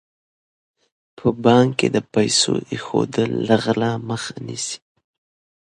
په بانک کې د پیسو ایښودل له غلا مخه نیسي.